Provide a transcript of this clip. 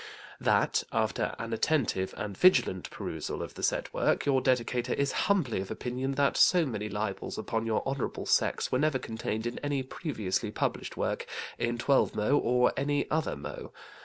THAT after an attentive and vigilant perusal of the said work, your Dedicator is humbly of opinion that so many libels, upon your Honourable sex, were never contained in any previously published work, in twelvemo or any other mo.